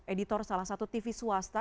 editor salah satu tv swasta